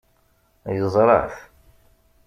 Yeẓra-t.